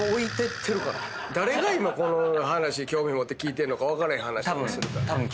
誰が今この話興味持って聞いてるか分からへん話とか。